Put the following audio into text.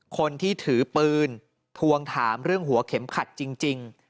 คนที่ถือปืนทวงถามเรื่องหัวเข็มขัดจริง